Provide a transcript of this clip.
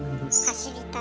走りたい。